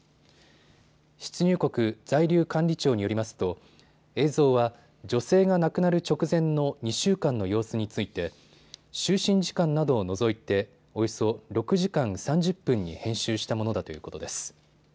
出入国在留管理庁によりますと映像は女性が亡くなる直前の２週間の様子について就寝時間などを除いておよそ６時間３０分に編集したものだということです。